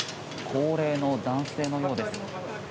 高齢の男性のようです。